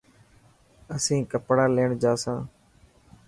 اسين ڪپڙا ليڻ جا سان.